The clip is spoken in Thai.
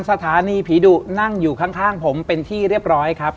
สถานีผีดุนั่งอยู่ข้างผมเป็นที่เรียบร้อยครับ